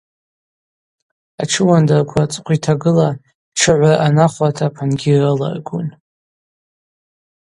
Атшыуандырква рцӏыхъва йтагыла, тшыгӏвра анахвырта апынгьи йрыларгун.